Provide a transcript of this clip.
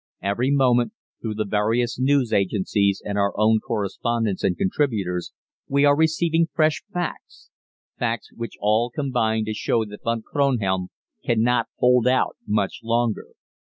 Every moment, through the various news agencies and our own correspondents and contributors, we are receiving fresh facts facts which all combine to show that Von Kronhelm cannot hold out much longer.